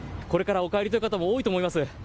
これからお帰りという方も多いと思います。